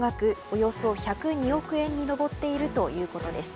およそ１０２億円に上っているということです